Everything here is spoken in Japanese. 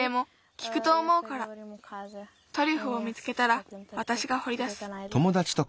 トリュフを見つけたらわたしがほりだす。